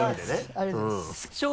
ありがとうございます。